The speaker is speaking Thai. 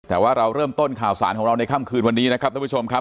แต่ว่าเราเริ่มต้นข่าวสารของเราในค่ำคืนวันนี้นะครับท่านผู้ชมครับ